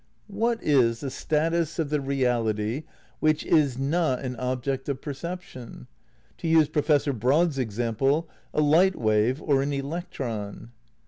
What is the status of the reality which is not an ob ject of perception 1 To use Professor Broad 's example, a light wave or an electron?